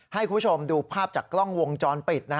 ให้คุณผู้ชมดูภาพจากกล้องวงจรปิด